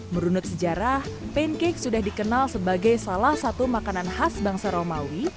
merunut sejarah pancake sudah dikenal sebagai salah satu makanan khas bangsa romawi